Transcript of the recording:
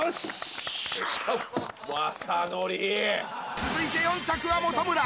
続いて４着は本村。